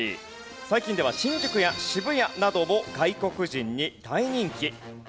最近では新宿や渋谷なども外国人に大人気。